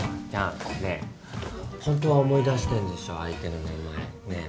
ねえ本当は思い出してんでしょ相手の名前ねえ。